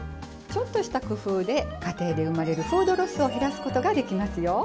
ちょっとした工夫で家庭で生まれるフードロスを減らすことができますよ。